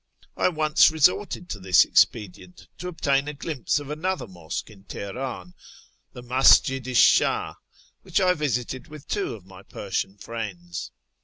I once resorted to this expedient to obtain a glimpse of another mosque in Teheran, the Masjid i Shall, which I visited with two of my Persian friends.